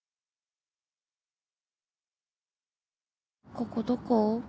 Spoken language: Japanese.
ここどこ？